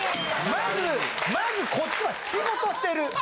まずこっちは仕事してる。